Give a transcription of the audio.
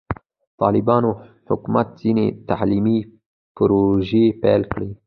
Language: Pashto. د طالبانو حکومت ځینې تعلیمي پروژې پیل کړي.